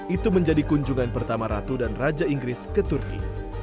itu menjadi kunjungan pertama ratu dan raja inggris ke turki